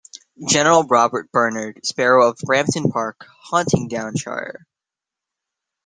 General Robert Bernard Sparrow of Brampton Park, Huntingdonshire.